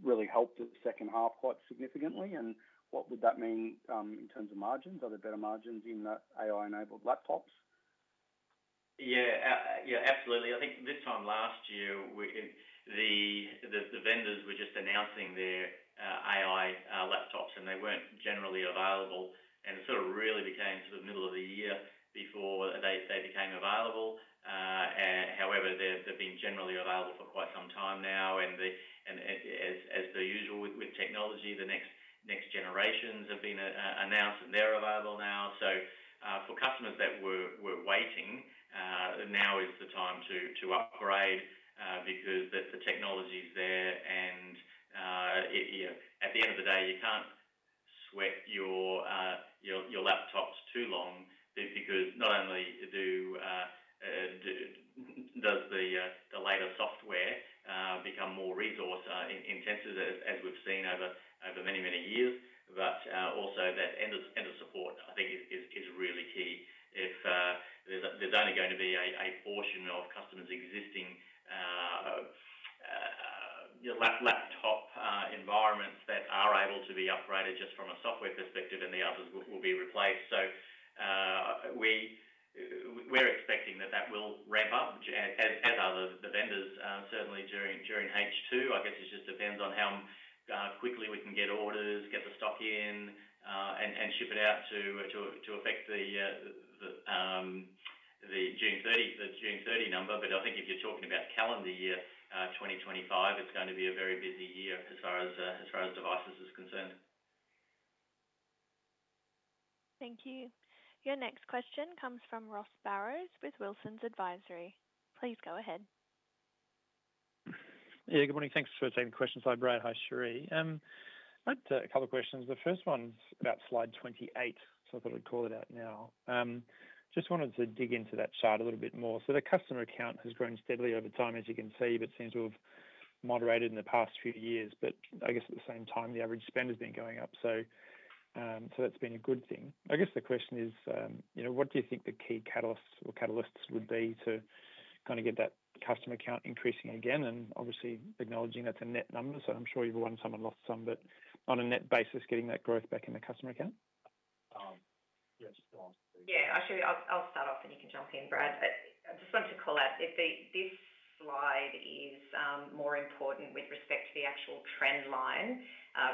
S9: really help the second half quite significantly? And what would that mean in terms of margins? Are there better margins in AI-enabled laptops?
S2: Yeah. Yeah. Absolutely. I think this time last year, the vendors were just announcing their AI laptops, and they weren't generally available, and it sort of really became sort of middle of the year before they became available. However, they've been generally available for quite some time now, and as per usual with technology, the next generations have been announced, and they're available now, so for customers that were waiting, now is the time to upgrade because the technology's there, and at the end of the day, you can't sweat your laptops too long because not only does the later software become more resource-intensive, as we've seen over many, many years, but also that End-of-Support, I think, is really key. If there's only going to be a portion of customers' existing laptop environments that are able to be upgraded just from a software perspective, and the others will be replaced. So we're expecting that that will ramp up, as are the vendors, certainly during H2. I guess it just depends on how quickly we can get orders, get the stock in, and ship it out to affect the June 30 number. But I think if you're talking about calendar year 2025, it's going to be a very busy year as far as devices is concerned.
S1: Thank you. Your next question comes from Ross Barrows with Wilsons Advisory. Please go ahead.
S10: Yeah. Good morning. Thanks for taking the question. Hi, Brad. Hi, Cherie. I'd like to ask a couple of questions. The first one's about slide 28. So I thought I'd call it out now. Just wanted to dig into that chart a little bit more. So the customer account has grown steadily over time, as you can see, but seems to have moderated in the past few years. But I guess at the same time, the average spend has been going up. So that's been a good thing. I guess the question is, what do you think the key catalysts would be to kind of get that customer account increasing again? And obviously, acknowledging that's a net number, so I'm sure you've won some and lost some, but on a net basis, getting that growth back in the customer account?
S3: Yes. Yeah. Actually, I'll start off, and you can jump in, Brad. I just wanted to call out that this slide is more important with respect to the actual trend line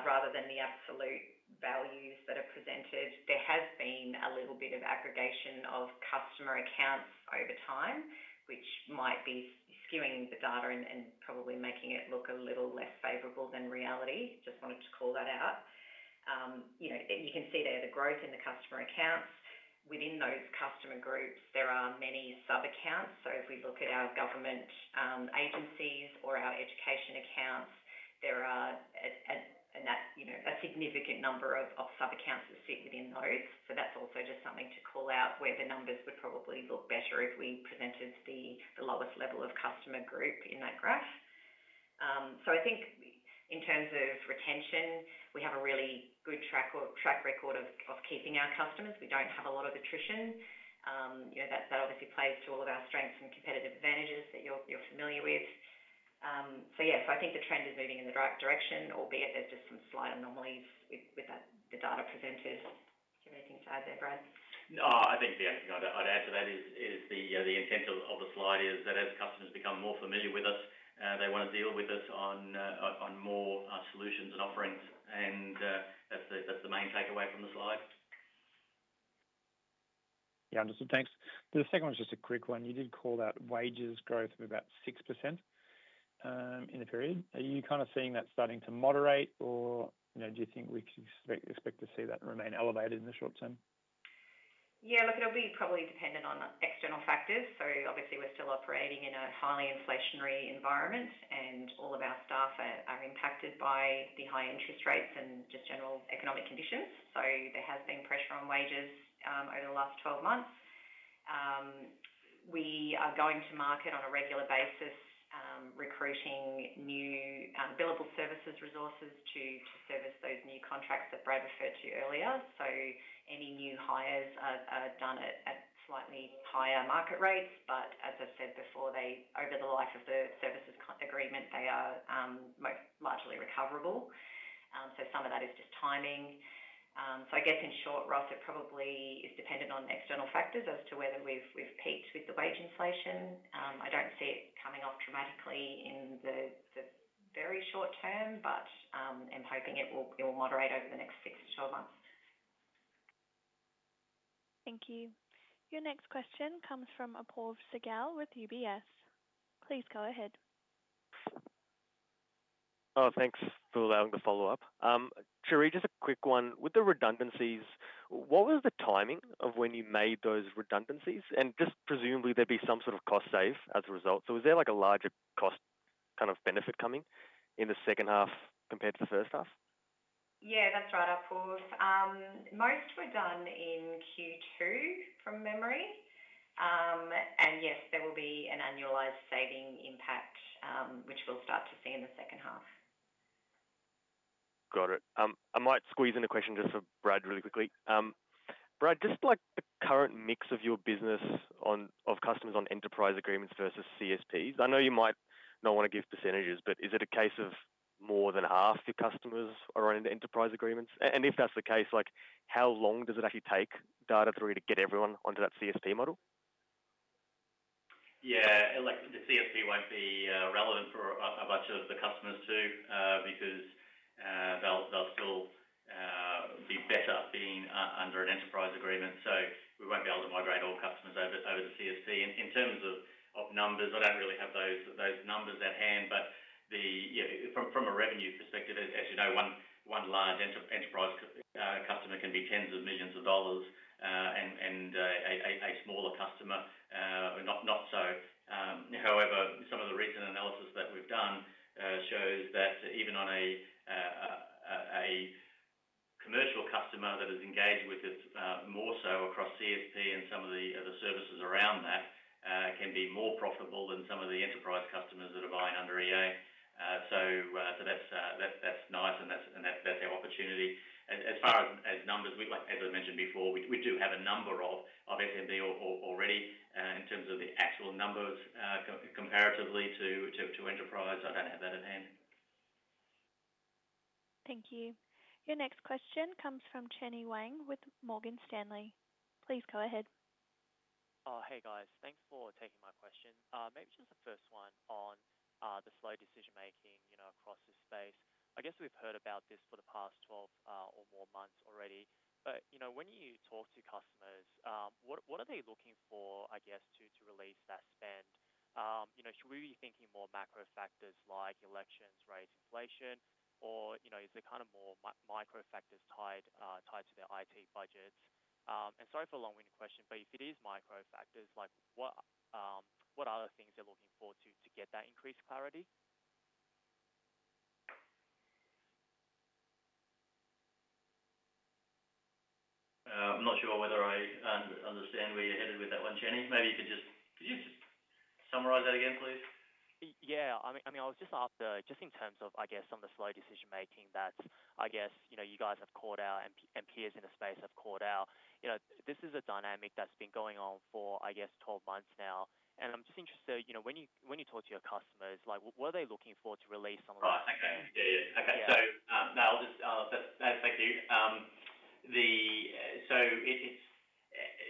S3: rather than the absolute values that are presented. There has been a little bit of aggregation of customer accounts over time, which might be skewing the data and probably making it look a little less favorable than reality. Just wanted to call that out. You can see there the growth in the customer accounts. Within those customer groups, there are many sub-accounts. So if we look at our government agencies or our education accounts, there are a significant number of sub-accounts that sit within those. So that's also just something to call out where the numbers would probably look better if we presented the lowest level of customer group in that graph. So I think in terms of retention, we have a really good track record of keeping our customers. We don't have a lot of attrition. That obviously plays to all of our strengths and competitive advantages that you're familiar with. So yeah, so I think the trend is moving in the right direction, albeit there's just some slight anomalies with the data presented. Do you have anything to add there, Brad?
S2: No. I think the only thing I'd add to that is the intent of the slide is that as customers become more familiar with us, they want to deal with us on more solutions and offerings, and that's the main takeaway from the slide.
S10: Yeah. Understood. Thanks. The second one's just a quick one. You did call out wages growth of about 6% in the period. Are you kind of seeing that starting to moderate, or do you think we can expect to see that remain elevated in the short term?
S3: Yeah. Look, it'll be probably dependent on external factors. So obviously, we're still operating in a highly inflationary environment, and all of our staff are impacted by the high interest rates and just general economic conditions. So there has been pressure on wages over the last 12 months. We are going to market on a regular basis, recruiting new billable services resources to service those new contracts that Brad referred to earlier. So any new hires are done at slightly higher market rates. But as I've said before, over the life of the services agreement, they are largely recoverable. So some of that is just timing. So I guess in short, Ross, it probably is dependent on external factors as to whether we've peaked with the wage inflation. I don't see it coming off dramatically in the very short term, but I'm hoping it will moderate over the next six to 12 months.
S1: Thank you. Your next question comes from Apoorv Sehgal with UBS. Please go ahead.
S4: Oh, thanks for allowing the follow-up. Cherie, just a quick one. With the redundancies, what was the timing of when you made those redundancies? And just presumably, there'd be some sort of cost save as a result. So was there a larger cost kind of benefit coming in the second half compared to the first half?
S3: Yeah. That's right, Apoorv. Most were done in Q2, from memory. And yes, there will be an annualized saving impact, which we'll start to see in the second half.
S4: Got it. I might squeeze in a question just for Brad really quickly. Brad, just the current mix of your business of customers on Enterprise Agreements versus CSP. I know you might not want to give percentages, but is it a case of more than half your customers are on Enterprise Agreements? And if that's the case, how long does it actually take Data#3 to get everyone onto that CSP model?
S2: Yeah.
S3: The CSP won't be relevant for a bunch of the customers too because they'll still be better being under an Enterprise Agreement, so we won't be able to migrate all customers over to CSP. In terms of numbers, I don't really have those numbers at hand. But from a revenue perspective, as you know, one large enterprise customer can be tens of millions AUD, and a smaller customer, not so. However, some of the recent analysis that we've done shows that even on a commercial customer that is engaged with us more so across CSP and some of the services around that can be more profitable than some of the enterprise customers that are buying under EA, so that's nice, and that's our opportunity. As far as numbers, as I mentioned before, we do have a number of SMBs already. In terms of the actual numbers comparatively to enterprise, I don't have that at hand.
S1: Thank you. Your next question comes from Chenny Wang with Morgan Stanley. Please go ahead.
S11: Oh, hey, guys. Thanks for taking my question. Maybe just the first one on the slow decision-making across the space. I guess we've heard about this for the past 12 or more months already. But when you talk to customers, what are they looking for, I guess, to release that spend? Should we be thinking more macro factors like elections, rates, inflation, or is it kind of more micro factors tied to their IT budgets? And sorry for a long-winded question, but if it is micro factors, what are the things they're looking for to get that increased clarity?
S2: I'm not sure whether I understand where you're headed with that one, Chenny. Maybe you could just summarize that again, please?
S11: Yeah. I mean, I was just after in terms of, I guess, some of the slow decision-making that, I guess, you guys have called out and peers in the space have called out. This is a dynamic that's been going on for, I guess, 12 months now. And I'm just interested, when you talk to your customers, what are they looking for to release some of that?
S2: Oh, okay. Yeah. Yeah. Okay. So no, I'll just thank you. So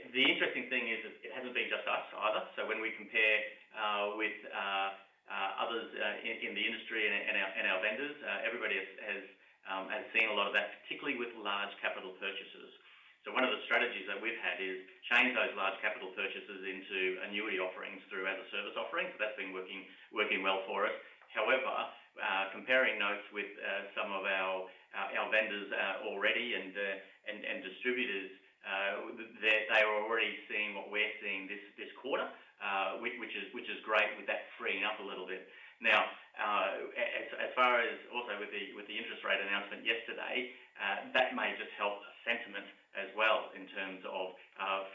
S2: the interesting thing is it hasn't been just us either. So when we compare with others in the industry and our vendors, everybody has seen a lot of that, particularly with large capital purchases. So one of the strategies that we've had is change those large capital purchases into annuity offerings through as-a-service offerings. That's been working well for us. However, comparing notes with some of our vendors already and distributors, they are already seeing what we're seeing this quarter, which is great with that freeing up a little bit. Now, as far as also with the interest rate announcement yesterday, that may just help sentiment as well in terms of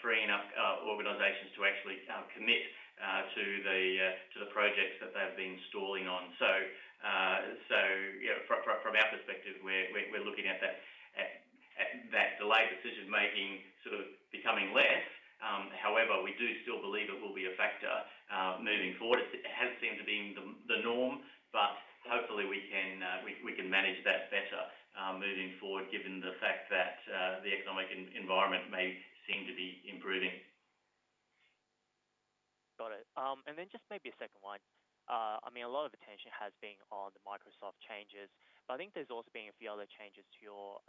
S2: freeing up organizations to actually commit to the projects that they've been stalling on. So from our perspective, we're looking at that delayed decision-making sort of becoming less. However, we do still believe it will be a factor moving forward. It has seemed to be the norm, but hopefully, we can manage that better moving forward given the fact that the economic environment may seem to be improving.
S11: Got it. And then just maybe a second one. I mean, a lot of attention has been on the Microsoft changes, but I think there's also been a few other changes to your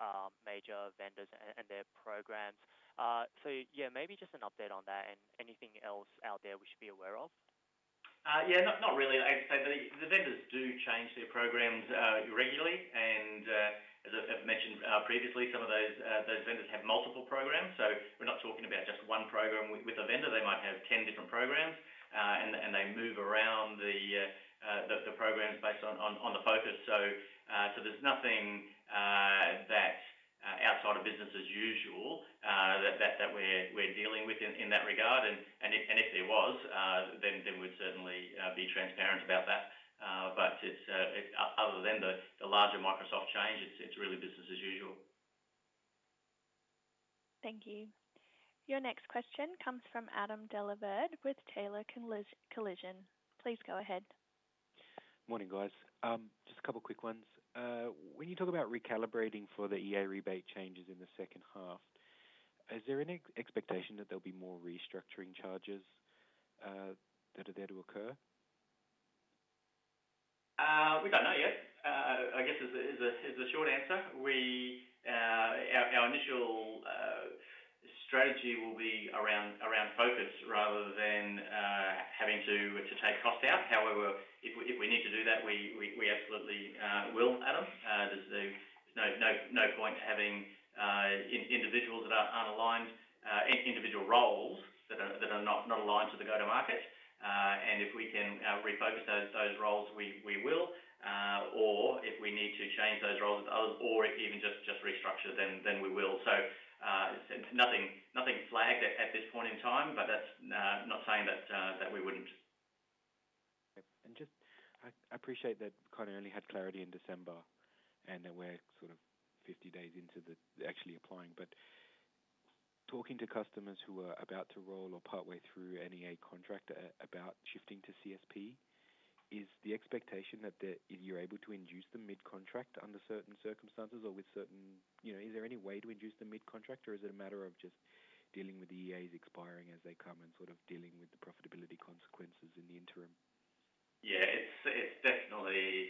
S11: major vendors and their programs. So yeah, maybe just an update on that and anything else out there we should be aware of?
S2: Yeah. Not really. I'd say that the vendors do change their programs regularly. And as I've mentioned previously, some of those vendors have multiple programs. So we're not talking about just one program. With a vendor, they might have 10 different programs, and they move around the programs based on the focus. So there's nothing that, outside of business as usual, that we're dealing with in that regard. And if there was, then we'd certainly be transparent about that. But other than the larger Microsoft change, it's really business as usual.
S1: Thank you. Your next question comes from Adam Dellaverde with Taylor Collison.
S12: Please go ahead. Morning, guys. Just a couple of quick ones. When you talk about recalibrating for the EA rebate changes in the second half, is there any expectation that there'll be more restructuring charges that are there to occur?
S2: We don't know yet. I guess is the short answer. Our initial strategy will be around focus rather than having to take costs out. However, if we need to do that, we absolutely will, Adam. There's no point having individuals that aren't aligned, individual roles that are not aligned to the go-to-market. And if we can refocus those roles, we will. Or if we need to change those roles with others or even just restructure, then we will. So nothing flagged at this point in time, but that's not saying that we wouldn't.
S12: Just, I appreciate that kind of only had clarity in December, and then we're sort of 50 days into the actual applying. But talking to customers who are about to roll or partway through any EA contract about shifting to CSP, is the expectation that you're able to induce them mid-contract under certain circumstances, or is there any way to induce them mid-contract, or is it a matter of just dealing with the EAs expiring as they come and sort of dealing with the profitability consequences in the interim?
S2: Yeah. It's definitely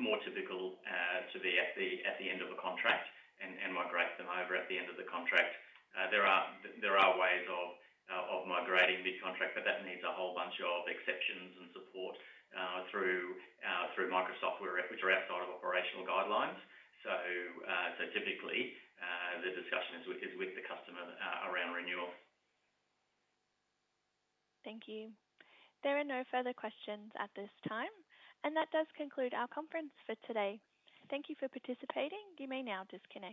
S2: more typical to be at the end of a contract and migrate them over at the end of the contract. There are ways of migrating mid-contract, but that needs a whole bunch of exceptions and support through Microsoft where we're outside of operational guidelines. Typically, the discussion is with the customer around renewal.
S1: Thank you. There are no further questions at this time, and that does conclude our conference for today. Thank you for participating. You may now disconnect.